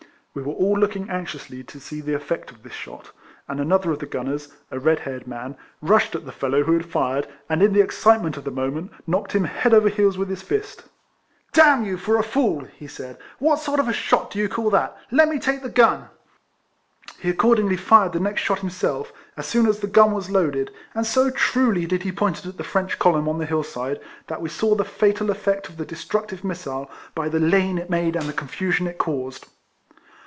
We were all looking anxiously to see the efi*ect of this shot ; and another of the gunners (a red haired man) rushed at the fellow who had fired, and in the excite ment of the moment, knocked him head over heels with his fist. D you, for a fool," he said ;" what sort of a shot do you call that ? Let me take the gun." He accordingly fired the next shot himself, as soon as the gun was loaded, and so truly did he point it at the French column on the hill side, that we saw the fatal effect of the destructive missile, by the lane it made and the confusion it caused.